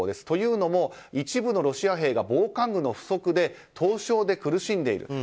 というのも、一部のロシア兵が防寒具の不足で凍傷で苦しんでいる。